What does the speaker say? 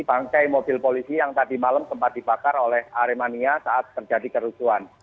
bangkai mobil polisi yang tadi malam sempat dibakar oleh aremania saat terjadi kerusuhan